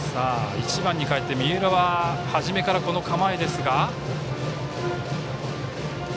１番にかえって三浦は初めからバントの構えですが。